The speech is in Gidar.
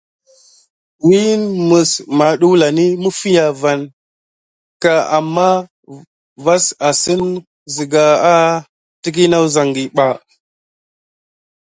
Wine mis madulanki mifia vaŋ ka amà vas asine sika à léklole ɓa.